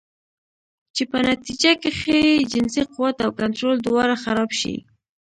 چې پۀ نتيجه کښې ئې جنسي قوت او کنټرول دواړه خراب شي